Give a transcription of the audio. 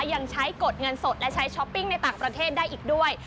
ยังใช้กดเงินสดและใช้ช้อปปิ้งในต่างประเทศได้อีกด้วย